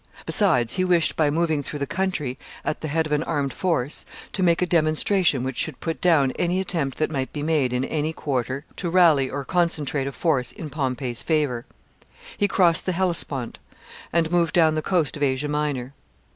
Besides, he wished, by moving through the country at the head of an armed force, to make a demonstration which should put down any attempt that might be made in arty quarter to rally or concentrate a force in Pompey's favor. He crossed the Hellespont, and moved down the coast of Asia Minor.